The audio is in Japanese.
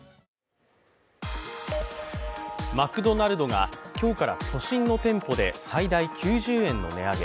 マクドナルドが今日から都心の店舗で最大９０円の値上げ。